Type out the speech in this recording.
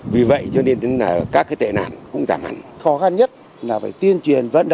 với những công việc khó khăn đột xuất